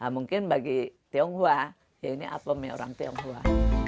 mungkin bagi tionghoa ya ini apemnya orang tionghoa